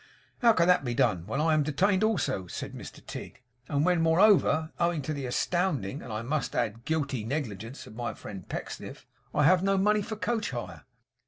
'How can that be done, when I am detained also?' said Mr Tigg; 'and when moreover, owing to the astounding, and I must add, guilty negligence of my friend Pecksniff, I have no money for coach hire?